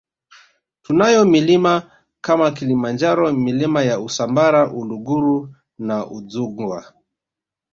Tunayo milima kama Kilimanjaro Milima ya Usambara Uluguru na Udzungwa